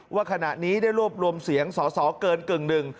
ว่าขณะนี้ได้รวบรวมเสียงสอสอเกินกึ่งหนึ่ง